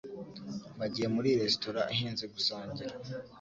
Bagiye muri resitora ihenze gusangira